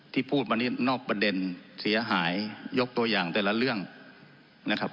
ที่พูดมานี่นอกประเด็นเสียหายยกตัวอย่างแต่ละเรื่องนะครับ